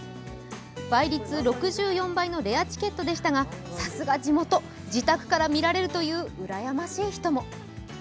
倍率６４倍のレアチケットでしたが、さすが地元、自宅から見られるといううらやましい人も。